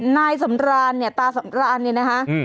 นายสำรานเนี่ยตาสำรานเนี่ยนะคะ